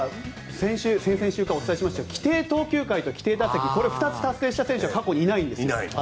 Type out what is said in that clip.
先々週お伝えしましたが規定投球回数、規定打数を達成した人が過去にいないんです。